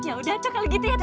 ya udah tuh kalo gitu ya teh